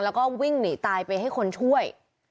แล้วก็วิ่งหนีตายไปให้คนช่วย